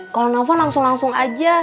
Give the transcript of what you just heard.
kalau nelfon langsung langsung aja